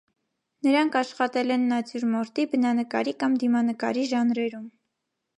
Նրանք աշխատել են նատյուրմորտի, բնանկարի կամ դիմանկարի ժանրերում։